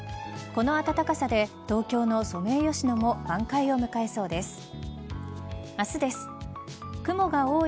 この暖かさで東京のソメイヨシノも満開を迎えそうです。